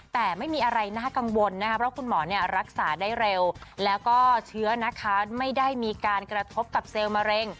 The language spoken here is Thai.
แต่ไม่มีอะไรน่ากังวลนะครับเพราะคุณหมอรักษาได้เร็วแล้วก็เชื้อนะคะไม่ได้มีการกระทบกับเซลล์มะเร็ง